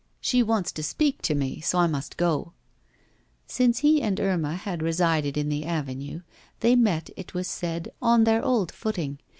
She wants to speak to me, so I must go ' Since he and Irma had resided in the avenue, they met, it was said, on their old footing.